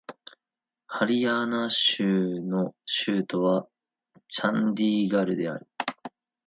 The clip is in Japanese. ハリヤーナー州の州都はチャンディーガルである